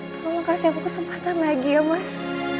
tolong kasih aku kesempatan lagi ya mas